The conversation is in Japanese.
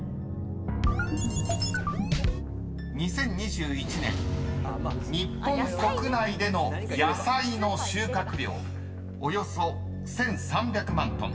［２０２１年日本国内での野菜の収穫量およそ１，３００万ｔ］